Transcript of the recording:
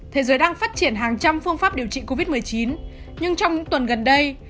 thế giới đang phát triển hàng trăm phương pháp điều trị covid một mươi chín nhưng trong những tuần gần đây